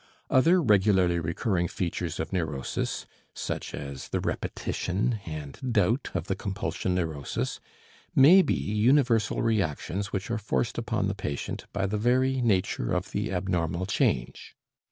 Other regularly recurring features of neurosis, such as the repetition and doubt of the compulsion neurosis, may be universal reactions which are forced upon the patient by the very nature of the abnormal change.